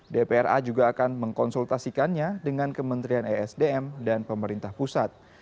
dpra juga akan mengkonsultasikannya dengan kementerian esdm dan pemerintah pusat